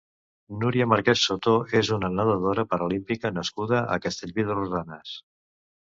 Núria Marquès Soto és una nadadora paralímpica nascuda a Castellví de Rosanes.